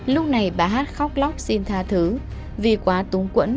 lúc này bà hát khóc lóc xin tha thứ vì quá túng quẫn